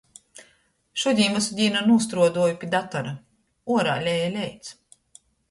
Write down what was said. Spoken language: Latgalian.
Šudiņ vysu dīnu nūstruoduoju pi datora, uorā leja leits.